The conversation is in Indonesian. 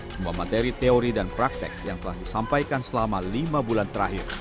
semua materi teori dan praktek yang telah disampaikan selama lima bulan terakhir